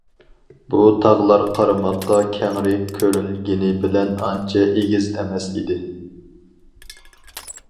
بۇ تاغلار قارىماققا كەڭرى كۆرۈنگىنى بىلەن ئانچە ئېگىز ئەمەس ئىدى.